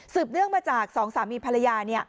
เนื่องมาจากสองสามีภรรยา